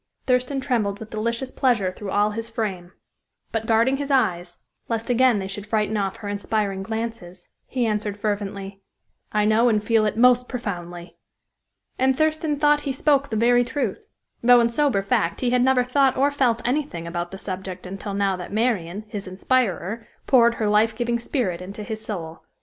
Thurston trembled with delicious pleasure through all his frame; but, guarding his eyes, lest again they should frighten off her inspiring glances, he answered, fervently: "I know and feel it most profoundly." And Thurston thought he spoke the very truth, though in sober fact he had never thought or felt anything about the subject until now that Marian, his inspirer, poured her life giving spirit into his soul.